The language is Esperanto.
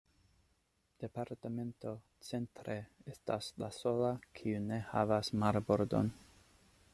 Departemento "Centre" estas la sola, kiu ne havas marbordon.